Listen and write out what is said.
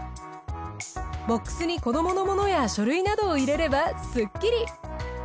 ボックスに子どものものや書類などを入れればすっきり。